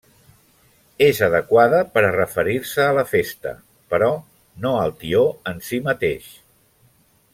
És adequada per a referir-se a la festa, però no al tió en si mateix.